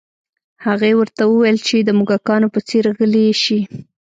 هغې ورته وویل چې د موږکانو په څیر غلي شي